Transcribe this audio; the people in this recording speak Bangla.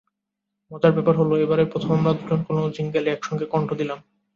মজার ব্যাপার হলো, এবারই প্রথম আমরা দুজন কোনো জিঙ্গেলে একসঙ্গে কণ্ঠ দিলাম।